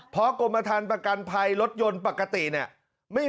เพราะกรมฐานประกันภัยรถยนต์ปกติเนี่ย